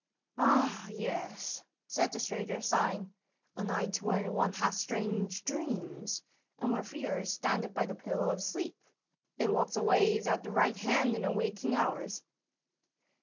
"Ah, yes!" said the stranger sighing, "a night wherein one hath strange dreams, and where fear standeth by the pillow of sleep, and walks always at the right hand in the waking hours."